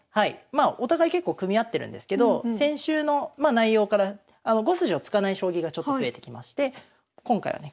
まあお互い結構組み合ってるんですけど先週の内容から５筋を突かない将棋がちょっと増えてきまして今回はね